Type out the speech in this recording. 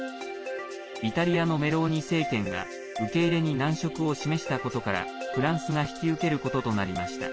イタリアのメローニ政権が受け入れに難色を示したことからフランスが引き受けることとなりました。